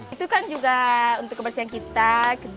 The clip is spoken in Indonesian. itu kan juga untuk kebersihan kita jauh dari penyakit gitu